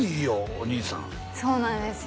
お兄さんそうなんですよ